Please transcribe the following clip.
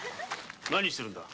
何をしてるんだ？